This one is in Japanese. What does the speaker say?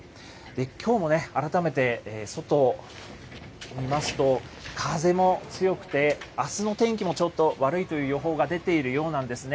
きょうも改めて外を見ますと、風も強くて、あすの天気もちょっと悪いという予報が出ているようなんですね。